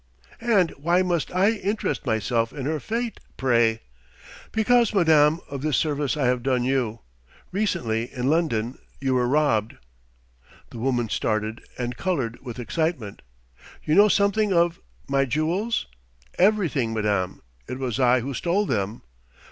"And why must I interest myself in her fate, pray?" "Because, madame, of this service I have done you ... Recently, in London, you were robbed " The woman started and coloured with excitement: "You know something of my jewels?" "Everything, madame: it was I who stole them."